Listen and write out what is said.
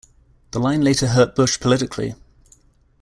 The line later hurt Bush politically.